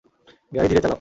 গাড়ি ধীরে চালাও।